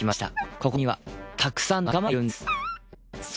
ここにはたくさんの仲間がいるんです。